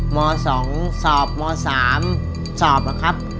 ม๒สอบม๓สอบนะครับ